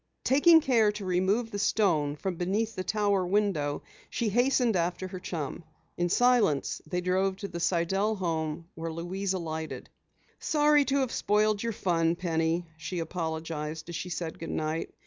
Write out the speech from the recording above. Taking care to remove the stone from beneath the tower window, she hastened after her chum. In silence they drove to the Sidell home where Louise alighted. "Sorry to have spoiled your fun, Penny," she apologized as she said goodnight.